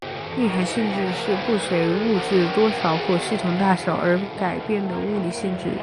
内含性质是不随物质多少或系统大小而改变的物理性质。